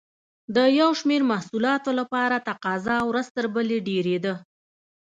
د یو شمېر محصولاتو لپاره تقاضا ورځ تر بلې ډېرېده.